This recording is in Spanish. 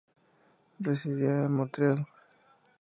Residía en Montreal.